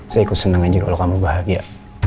saya ikut senang aja kalau kamu bahagia